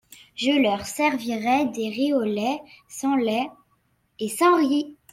Je leur servirai des riz au lait sans lait… et sans riz !…